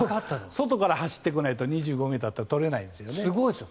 外から走ってこないと２５ｍ取れないんですよね。